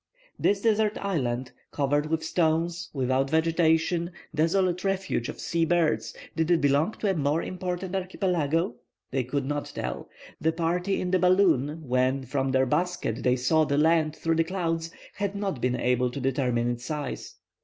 This desert isle, covered with stones, without vegetation, desolate refuge of sea birds, did it belong to a more important archipelago? They could not tell. The party in the balloon, when from their basket they saw the land through the clouds, had not been able to determine its size.